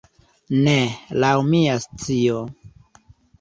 Ne, laŭ mia scio.